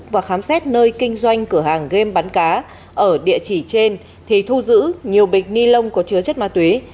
và khám xét nơi kinh doanh cửa hàng game bắn cá ở địa chỉ trên thì thu giữ nhiều bịch ni lông có chứa chất ma túy